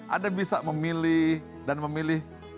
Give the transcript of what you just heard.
anda bisa memilih dan memilih produk produknya